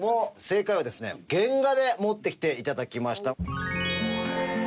正解はですね原画で持ってきて頂きました。